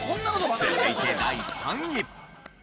続いて第３位。